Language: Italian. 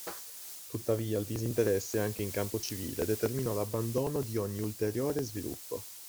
Tuttavia il disinteresse anche in campo civile determinò l'abbandono di ogni ulteriore sviluppo.